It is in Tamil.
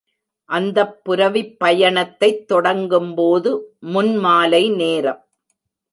அந்தப் புரவிப் பயணத்தைத் தொடங்கும்போது முன்மாலை நேரம்.